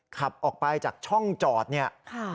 ขับออกไปจากช่องจอดเนี่ย